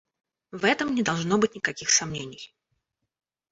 В этом не должно быть никаких сомнений.